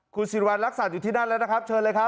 คุณศิริวัตรรักษาอยู่ที่นั่นแล้วนะครับเชิญเลยครับค่ะ